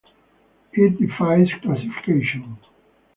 It defies classification.